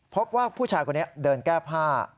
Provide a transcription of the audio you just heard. พบว่าผู้ชายคนนี้เดินแก้ผ้า